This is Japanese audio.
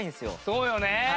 そうよね！